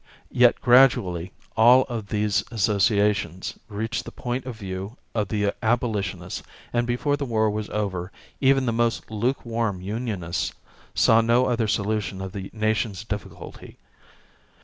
Yet gradually all of these associations reached the point of view of the abolitionist and before the war was over even the most lukewarm unionist saw no other solution of the nation's difficulty.